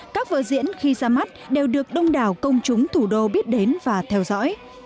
các vợ diễn khi ra mắt đều được đông đảo công chúng thủ đô biết đến và theo dõi